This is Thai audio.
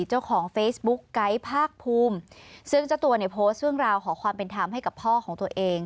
เจ้าของเฟซบุ๊กไกด์ภาคภูมิซึ่งเจ้าตัวเนี่ยโพสต์เรื่องราวขอความเป็นธรรมให้กับพ่อของตัวเอง